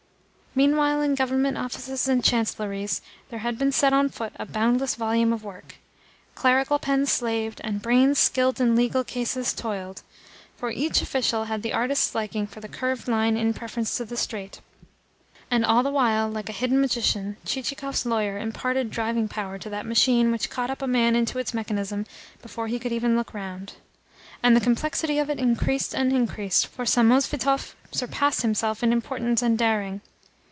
Meanwhile in Government offices and chancellories there had been set on foot a boundless volume of work. Clerical pens slaved, and brains skilled in legal casus toiled; for each official had the artist's liking for the curved line in preference to the straight. And all the while, like a hidden magician, Chichikov's lawyer imparted driving power to that machine which caught up a man into its mechanism before he could even look round. And the complexity of it increased and increased, for Samosvitov surpassed himself in importance and daring.